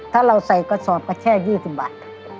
ถ้าเราใส่กระสอบก็แช่๒๐บาท